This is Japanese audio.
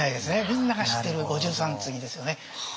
みんなが知ってる五十三次ですよね。